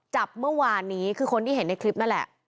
จับเมื่อวานนี้คือคนที่เห็นในคลิปนั่นแหละ